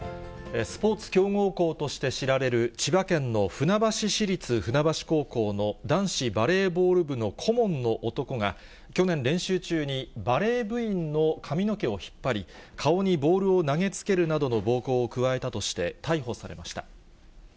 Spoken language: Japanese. スポーツ強豪校として知られる千葉県の船橋市立船橋高校の男子バレーボール部の顧問の男が、去年、練習中にバレー部員の髪の毛を引っ張り、顔にボールを投げつけるなどの暴行を加えたとして逮捕されました。